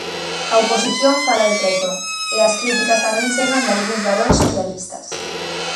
A oposición fala de traizón e as críticas tamén chegan dalgúns baróns socialistas.